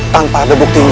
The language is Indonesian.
tanpa ada buktinya